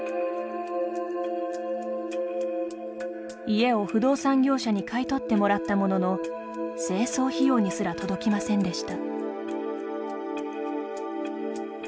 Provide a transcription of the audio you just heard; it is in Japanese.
家を不動産業者に買い取ってもらったものの清掃費用にすら届きませんでした。